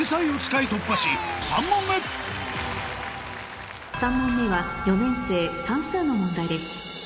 ２問目は３問目は４年生算数の問題です